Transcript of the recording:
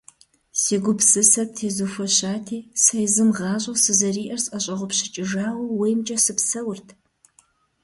Си гупсысэр птезухуэщати, сэ езым гъащӀэ сызэриӀэр сӀэщӀэгъупщыкӀыжауэ, ууеймкӀэ сыпсэурт.